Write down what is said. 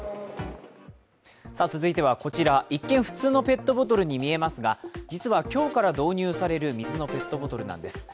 続いてはこちら一見普通のペットボトルに見えますが実は今日から導入される水のペットボトルなんです。